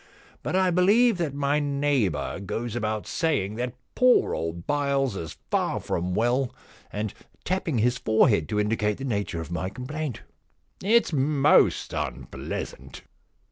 But I believe that my neighbour goes about saying that poor old Byles is far from well, and tapping his fore head to indicate the nature of my complaint. It's most unpleasant.